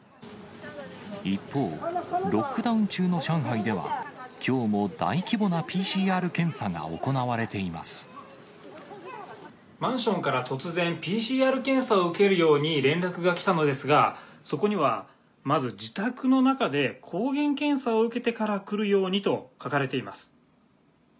一方、ロックダウン中の上海では、きょうも大規模なＰＣＲ検査が行マンションから突然、ＰＣＲ検査を受けるように連絡が来たのですが、そこにはまず、自宅の中で抗原検査を受けてから来るようにと書かれています。